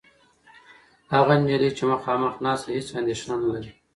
هغه نجلۍ چې مخامخ ناسته ده، هېڅ اندېښنه نهلري.